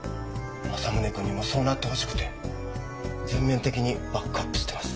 政宗くんにもそうなってほしくて全面的にバックアップしてます。